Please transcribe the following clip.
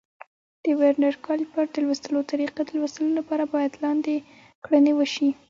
د ورنیر کالیپر د لوستلو طریقه: د لوستلو لپاره باید لاندې کړنې وشي.